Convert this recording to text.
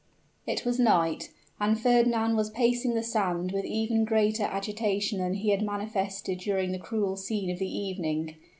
It was night and Fernand was pacing the sand with even greater agitation than he had manifested during the cruel scene of the evening.